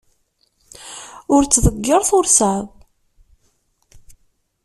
Ur ttḍeggir tursaḍ!